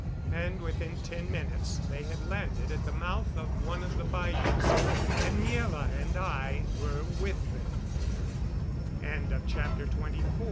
And within ten minutes they had landed at the mouth of one of the bayous, and Miela and I were with them. CHAPTER XXV. PREPARATIONS FOR WAR.